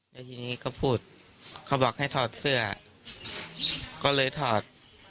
แล้วทีนี้ก็พูดเขาบอกให้ถอดเสื้อก็เลยถอด